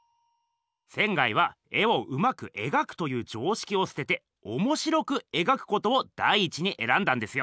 仙は絵をうまくえがくという常識をすてておもしろくえがくことを第一にえらんだんですよ。